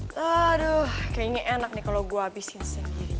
kayaknya enak nih kalo gue abisin sendiri